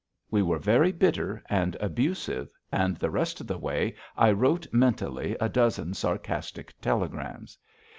We were very bitter and abusive, and the rest of the way I wrote mentally a dozen sarcastic telegrams.